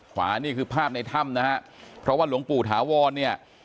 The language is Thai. นี่คือภาพในถ้ำนะฮะเพราะว่าหลวงปู่ถาวรเนี่ย